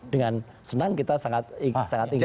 dengan senang kita sangat ingin